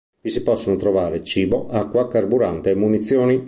Vi si possono trovare cibo, acqua, carburante e munizioni.